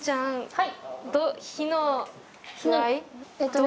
はい。